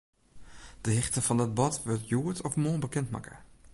De hichte fan dat bod wurdt hjoed of moarn bekendmakke.